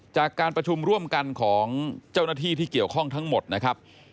จากการประชุมร่วมกันของเจ้าหน้าที่ที่เกี่ยวข้องทั้งหมดนะครับ